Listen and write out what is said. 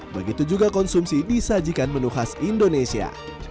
begitu juga konsumsi disajikan menu khas indonesia